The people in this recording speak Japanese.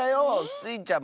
スイちゃん